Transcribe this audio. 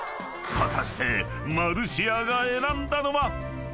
［果たしてマルシアが選んだのは］